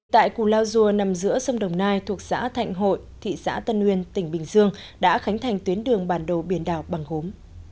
tại cù lao dùa nằm giữa sông đồng nai thuộc xã thạnh hội thị xã tân nguyên tỉnh bình dương đã khánh thành tuyến đường bản đồ biển đảo bằng gốm